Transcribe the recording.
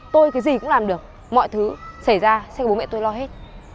tôi cái gì cũng làm được mọi thứ xảy ra xe của bố mẹ tôi lo hết